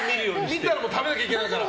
見たら食べなきゃいけないから。